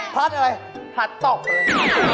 พลัสอะไรพลัสต่อไปเลย